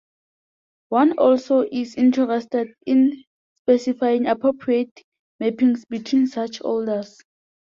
One also is interested in specifying appropriate mappings between such orders.